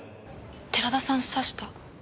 寺田さん刺した？